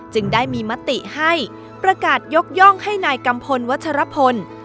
จึงได้มีมติให้ประกาศยกย่องให้นายกัมพลวัชรพล